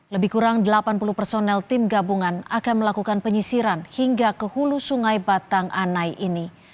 lebih kurang delapan puluh personel tim gabungan akan melakukan penyisiran hingga ke hulu sungai batang anai ini